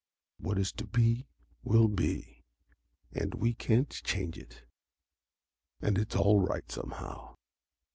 "What is to be, will be and we can't change it. And it's all right somehow."